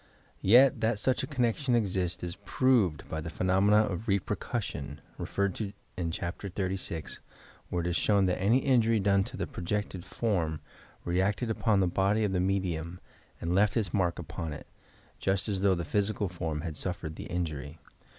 Yet, that such a connection exists is proved by the phenomena of "repercussion," referred to in Chapter XXXVI, where it was shown that any injury done to the projected form reacted upon the body of the medium and left its mark upon it, just as though the physical form had suffered the injury.